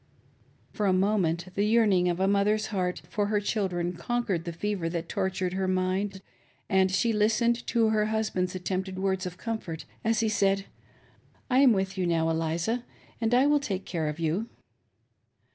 '" For a moment the yearning of a mother's heart for her children conquered the fever that tortured her mind, and she listened to her husband's attempted words of comfort, as he said, "I am with you now Eliza, and I will take care of you."